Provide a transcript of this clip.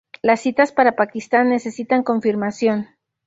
Las citas para Pakistán necesitan confirmación.